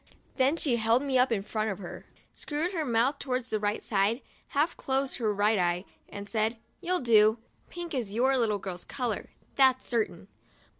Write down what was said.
Then she held me up in front of her, screwed her mouth towards the right side, half closed her right eye, and said: "You'll do. Pink is your little girl's color, that's certain."